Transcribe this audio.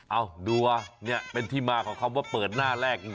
เอาดูว่าเนี่ยเป็นที่มาของคำว่าเปิดหน้าแรกจริง